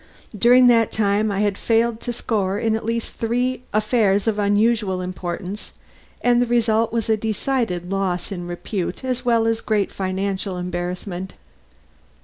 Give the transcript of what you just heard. During that time I had failed to score in at least three affairs of unusual importance, and the result was a decided loss in repute as well as great financial embarrassment.